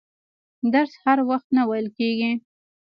درس هر وخت نه ویل کیږي.